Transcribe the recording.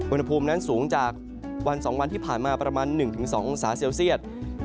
อุณหภูมินั้นสูงจากวัน๒วันที่ผ่านมาประมาณ๑๒องศาเซลเซียต